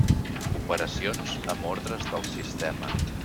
Operacions amb ordres del sistema.